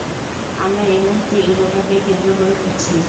আমরা এই মূহুর্তে ইউরোপা কে কেন্দ্র করে ঘুরছি।